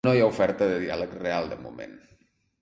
No hi ha oferta de diàleg real, de moment.